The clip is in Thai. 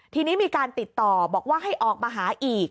ทีนี้มีการติดต่อบอกว่าให้ออกมาหาอีก